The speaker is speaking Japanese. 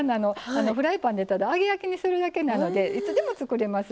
フライパンでただ揚げ焼きにするだけなのでいつでも作れます。